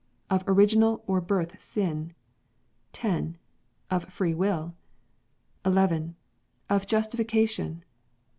Of Original or Birth sin. 10. Of Free will. 11. Of Justification.